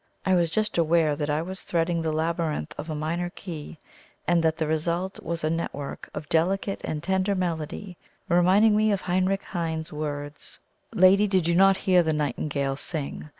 I was just aware that I was threading the labyrinth of a minor key, and that the result was a network of delicate and tender melody reminding me of Heinrich Heine's words: "Lady, did you not hear the nightingale sing?